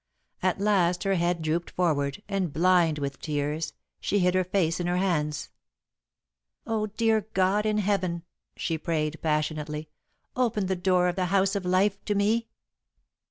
At last her head drooped forward and, blind with tears, she hid her face in her hands. "Oh, dear God in Heaven," she prayed, passionately. "Open the door of the House of Life to me!